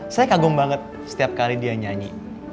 saya kagum banget setiap kali dia nyanyi